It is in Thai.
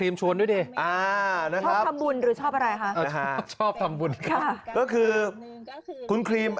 มันเป็นแบบมุมกล้อม